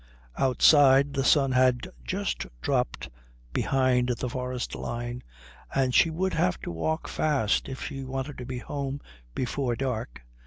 Outside the sun had just dropped behind the forest line, and she would have to walk fast if she wanted to be home before dark.